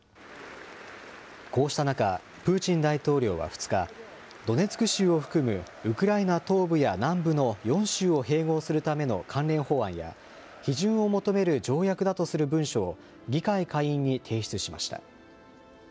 こうした中、プーチン大統領は２日、ドネツク州を含むウクライナ東部や南部の４州を併合するための関連法案や、批准を求める条約だとする文書を議会下院に提出しました。